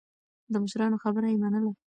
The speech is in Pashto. د مشرانو خبره يې منله.